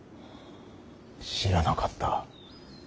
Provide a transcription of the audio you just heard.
知らなかった。